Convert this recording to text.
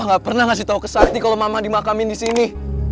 kenapa gak pernah ngasih tau ke sakti kalo mama dimakamin disini